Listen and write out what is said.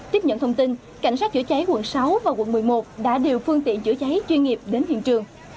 tiếp nhận thông tin cảnh sát chữa cháy quận sáu và quận một mươi một đã điều phương tiện chữa cháy chuyên nghiệp đến hiện trường